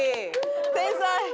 天才！